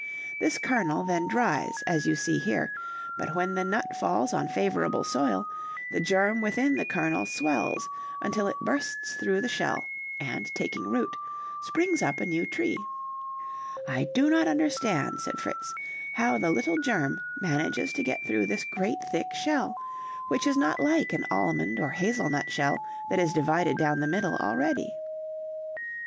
This kernel then dries as you see here, but when the nut falls on favorable soil, the germ within the kernel swells until it bursts through the shell, and, taking root, springs up a new tree." "I do not understand," said Fritz, "how the little germ manages to get through this great thick shell, which is not like an almond or hazel nutshell, that is divided down the middle already."